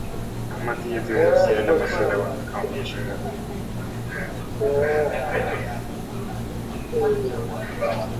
Kamati hizi huhusiana na masuala muhimu kama biashara , afya , usalama , fedha , elimu , miundombinu na ushirikiano wa kimataifa